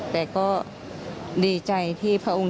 ท่านผู้ชมครับ